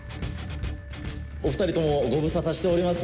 お２人ともご無沙汰しております。